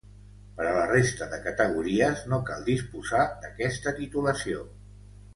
Per a la resta de categories no cal disposar d'aquesta titulació.